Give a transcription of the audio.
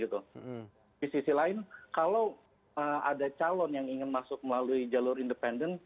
di sisi lain kalau ada calon yang ingin masuk melalui jalur independen